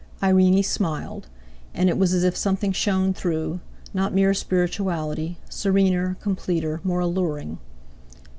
Irene smiled. And it was as if something shone through; not mere spirituality—serener, completer, more alluring.